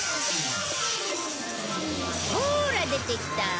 ほーら出てきた。